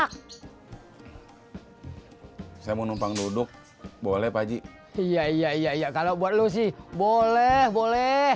hai saya mau numpang duduk boleh pagi iya iya iya kalau buat lu sih boleh boleh